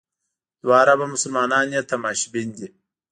دوه اربه مسلمانان یې تماشبین دي.